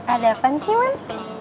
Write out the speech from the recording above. ada apaan sih man